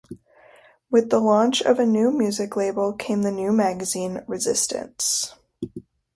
With the launch of a new music label came the new magazine "Resistance".